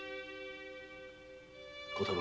小太郎。